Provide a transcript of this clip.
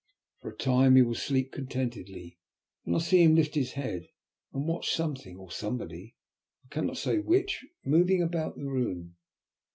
For a time he will sleep contentedly, then I see him lift his head and watch something, or somebody, I cannot say which, moving about in the room.